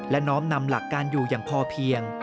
และน้อมนำหลักการอยู่อย่างพอเพียง